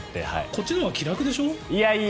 こっちのほうが気楽でしょ？